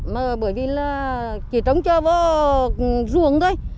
mà bởi vì là chỉ trống chơi vào ruồng thôi